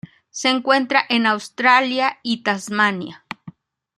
Se encuentra en Australia y Tasmania.